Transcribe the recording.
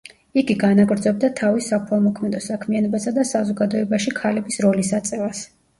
იგი განაგრძობდა თავის საქველმოქმედო საქმიანობასა და საზოგადოებაში ქალების როლის აწევას.